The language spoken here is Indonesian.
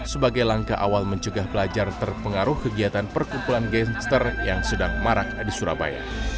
sebagai langkah awal mencegah pelajar terpengaruh kegiatan perkumpulan gaster yang sedang marak di surabaya